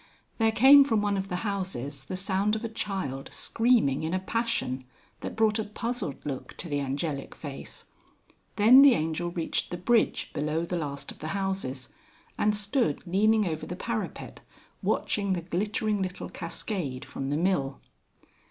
There came from one of the houses the sound of a child screaming in a passion, that brought a puzzled look to the angelic face. Then the Angel reached the bridge below the last of the houses, and stood leaning over the parapet watching the glittering little cascade from the mill.